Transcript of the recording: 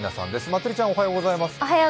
まつりちゃん、おはようございます。